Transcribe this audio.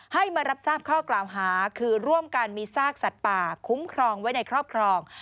ให้มารับทราบข้อกล่าวหาคือร่วมกันมีซากสัตว์ป่าคุ้มครองไว้ในครอบครอง